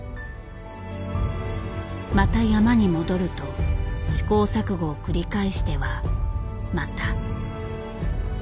また山に戻ると試行錯誤を繰り返してはまた。